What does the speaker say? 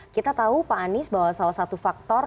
kita tahu pak anies bahwa salah satu faktor